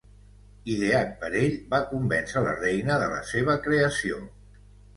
Ideat per ell, va convèncer la reina de la seva creació.